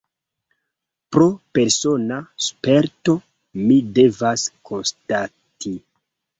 Pro persona sperto, mi devas konstati.